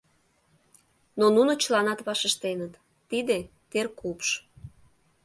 Но нуно чыланат вашештеныт: «Тиде — теркупш».